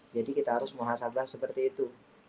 jadi kita harus muha sabah seperti itu